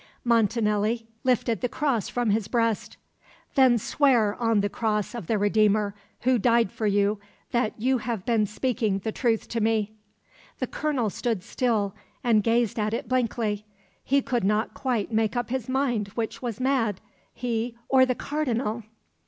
Montanelli lifted the cross from his breast. "Then swear on the cross of the Redeemer Who died for you, that you have been speaking the truth to me." The colonel stood still and gazed at it blankly. He could not quite make up his mind which was mad, he or the Cardinal.